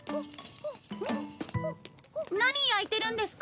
何焼いてるんですか？